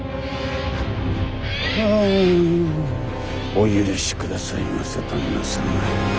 お許しくださいませ旦那様。